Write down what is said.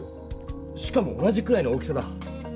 しかも同じくらいの大きさだ。